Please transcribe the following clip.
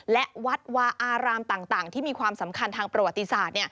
และวัดวาอารามต่างที่มีความสำคัญทางประวัติศาสตร์